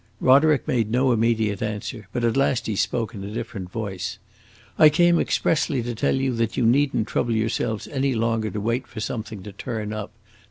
Roderick made no immediate answer; but at last he spoke in a different voice. "I came expressly to tell you that you need n't trouble yourselves any longer to wait for something to turn up.